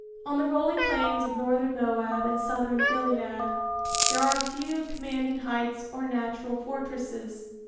On the rolling plains of northern Moab and southern Gilead there are few commanding heights or natural fortresses.